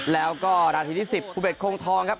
แล้วก็นาทีที่๑๐ภูเดชโคงทองครับ